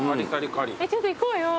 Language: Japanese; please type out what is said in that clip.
ちょっと行こうよ。